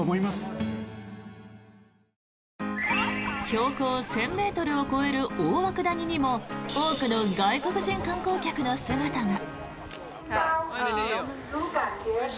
標高１０００ｍを超える大涌谷にも多くの外国人観光客の姿が。